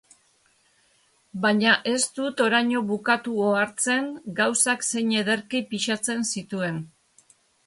Baina ez dut oraino bukatu ohartzen gauzak zein ederki pisatzen zituen.